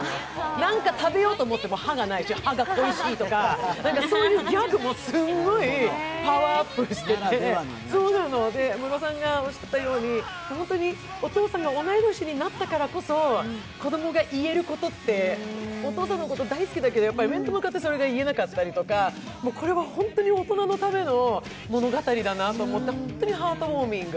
何か食べようと思っても歯がないし、歯が恋しいとか、そういうギャグもすごいパワーアップしてて、ムロさんがおっしゃったように、本当にお父さんが同い年になったからこそ子供が言えることって、お父さんのこと大好きだけど、面と向かってそれが言えなかったりとかこれは本当に大人のための物語だなと思って、本当にハートウォーミング。